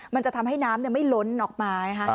มันจะทำให้น้ำเนี่ยไม่ล้นออกมานะครับ